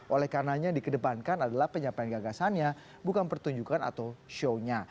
oleh karenanya dikedepankan adalah penyampaian gagasannya bukan pertunjukan atau shownya